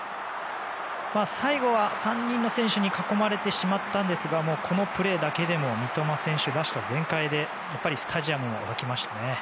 最後は３人の選手に囲まれてしまったんですがこのプレーだけでも三笘選手らしさ全開でやっぱりスタジアムも沸きましたね。